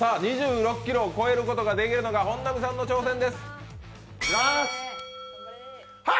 ２６ｋｇを超えることができるのか本並さんの挑戦です。